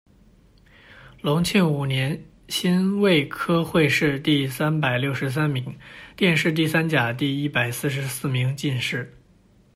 隆庆五年辛未科会试第三百六十三名，殿试第三甲第一百四十四名进士。